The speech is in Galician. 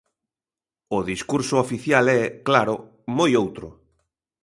O discurso oficial é, claro, moi outro.